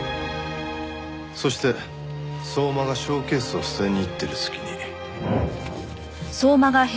そして相馬がショーケースを捨てに行ってる隙に。